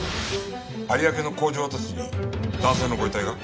有明の工場跡地に男性のご遺体が？